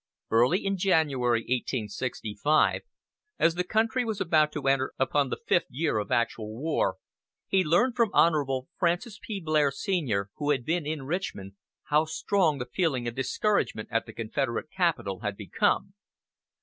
Early in January, 1865, as the country was about to enter upon the fifth year of actual war, he learned from Hon. Francis P. Blair, Sr., who had been in Richmond, how strong the feeling of discouragement at the Confederate capital had become.